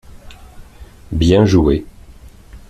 Bien jouer.